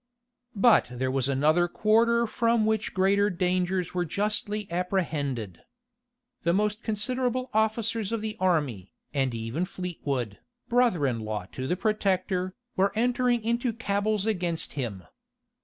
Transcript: But there was another quarter from which greater dangers were justly apprehended. The most considerable officers of the army, and even Fleetwood, brother in law to the protector, were entering into cabals against him.